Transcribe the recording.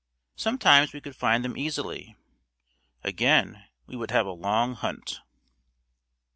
Sometimes we could find them easily. Again we would have a long hunt.